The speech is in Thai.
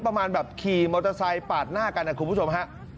ประมาณแบบขี่มอเตอร์ไซค์ปาดหน้ากันนะคุณผู้ชมฮะ